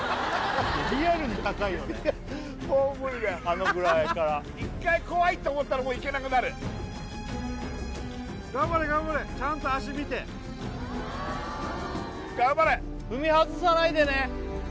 あのぐらいから１回怖いと思ったらもう行けなくなる頑張れ頑張れちゃんと足見て頑張れ踏み外さないでね